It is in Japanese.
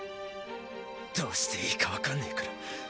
どうしていいか分かんねぇから！